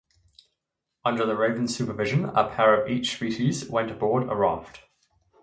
Under the Raven's supervision a pair of each species went aboard a raft.